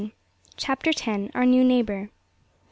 CHAPTER X. OUR NEW NEIGHBOUR.